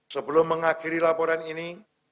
sebelum mengakhiri laporan ini